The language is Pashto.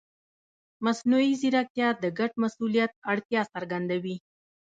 مصنوعي ځیرکتیا د ګډ مسؤلیت اړتیا څرګندوي.